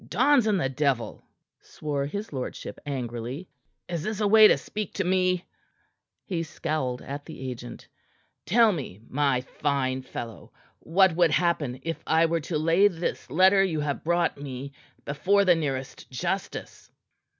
"Dons and the devil!" swore his lordship angrily. "Is this a way to speak to me?" He scowled at the agent. "Tell me, my fine fellow, what would happen if I were to lay this letter you have brought me before the nearest justice?"